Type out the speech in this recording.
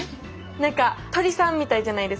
何か鳥さんみたいじゃないですか。